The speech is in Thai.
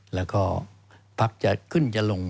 แล้วก็พักจะขึ้นจะลง